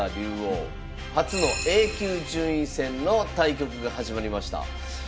初のＡ級順位戦の対局が始まりました。